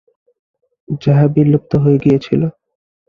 যাহা বিলুপ্ত হয়ে গিয়েছিল।